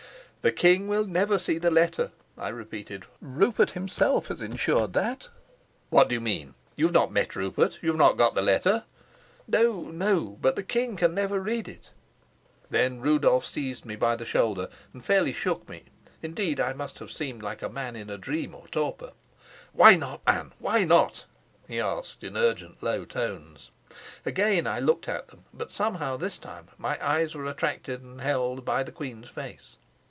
"The king will never see the letter," I repeated. "Rupert himself has insured that." "What do you mean? You've not met Rupert? You've not got the letter?" "No, no; but the king can never read it." Then Rudolf seized me by the shoulder and fairly shook me; indeed I must have seemed like a man in a dream or a torpor. "Why not, man; why not?" he asked in urgent low tones. Again I looked at them, but somehow this time my eyes were attracted and held by the queen's face.